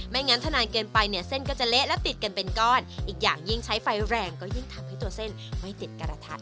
แล้วก็ขึ้นมาเรื่อยจนถึง๔๐บาท